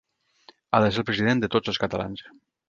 Ha de ser el president de tots els catalans.